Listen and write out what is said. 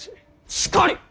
しかり！